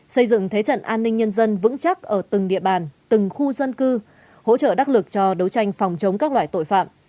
xây dựng thế trận an ninh nhân dân vững chắc ở từng địa bàn từng khu dân cư hỗ trợ đắc lực cho đấu tranh phòng chống các loại tội phạm